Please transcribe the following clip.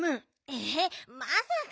えっまさか。